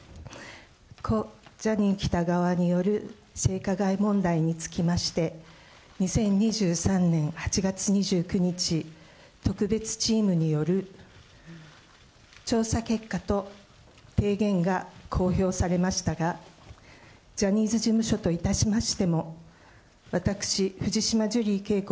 故・ジャニー喜多川による性加害問題につきまして、２０２３年８月２９日、特別チームによる調査結果と提言が公表されましたが、ジャニーズ事務所といたしましても、私、藤島ジュリー景子